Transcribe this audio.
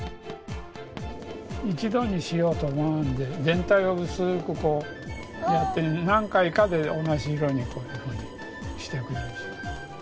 一度にしようと思わんで全体を薄くこうやって何回かで同じ色にこういうふうにして下さい。